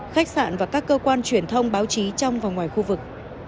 khách sạn và các cơ quan truyền thông báo chí trong và ngoài khu vực